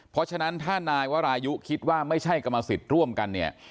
เพราะฉะนั้นถ้านายวรายุคิดว่าไม่ใช่กรรมสิทธิ์ร่วมกันเนี่ย